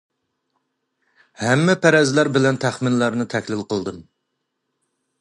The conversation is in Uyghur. ھەممە پەرەزلەر بىلەن تەخمىنلەرنى تەھلىل قىلدىم.